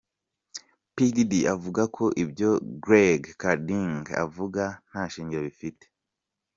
P Diddy avuga ko ibyo Greg Kading avuga nta shingiro bifite.